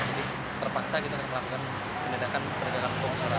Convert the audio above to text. jadi terpaksa kita melakukan pendidikan pendidikan komporan